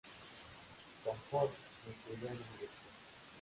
Comfort lo incluyó en un grupo.